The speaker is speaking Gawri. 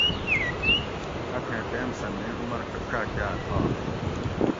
اتھیں ٹیم سہ میں عمر اڄاۤکاۤل آش